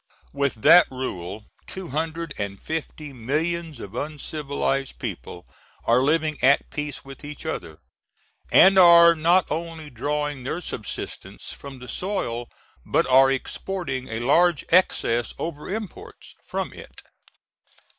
With that rule two hundred and fifty millions of uncivilized people are living at peace with each other, and are not only drawing their subsistence from the soil but are exporting a large excess over imports from it.